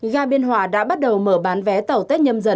gà biên hòa đã bắt đầu mở bán vé tàu tết nhâm dần hai nghìn hai mươi hai